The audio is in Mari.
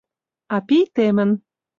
А пий темын.